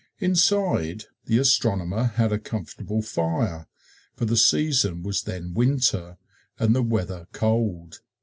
Inside, the astronomer had a comfortable fire, for the season was then Winter and the weather cold.